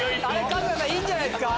春日さんいいんじゃないっすか？